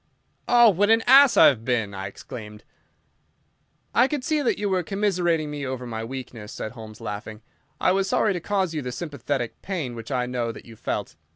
"Oh, what an ass I have been!" I exclaimed. "I could see that you were commiserating me over my weakness," said Holmes, laughing. "I was sorry to cause you the sympathetic pain which I know that you felt.